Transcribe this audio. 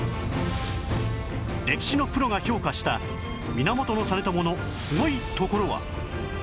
歴史のプロが評価した源実朝のすごいところは